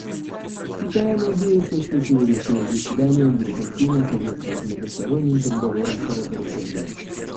Китай надеется, что сегодняшнее заседание будет активно содействовать многосторонним переговорам по разоружению.